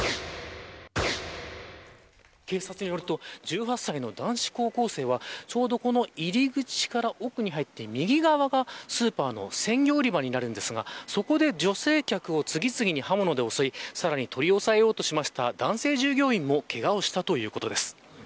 警察によると１８歳の男子高校生はちょうどこの入り口から奥に入って右側がスーパーの鮮魚売り場になるんですがそこで女性客を次々に刃物で襲いさらに、取り押さえようとした男性従業員もけがをしたということです。